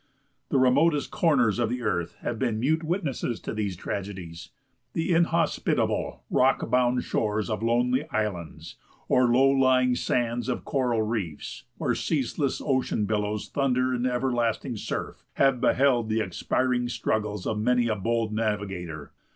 The remotest corners of the earth have been mute witnesses to these tragedies. The inhospitable, rock bound shores of lonely islands, or low lying sands of coral reefs, where the ceaseless ocean billows thunder in everlasting surf, have beheld the expiring struggles of many a bold navigator.